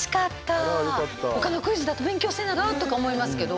他のクイズだと勉強せなあかんとか思いますけど